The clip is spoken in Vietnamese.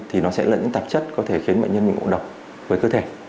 thì nó sẽ là những tạp chất có thể khiến bệnh nhân bị ngộ độc với cơ thể